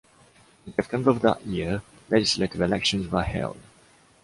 In September of that year, legislative elections were held.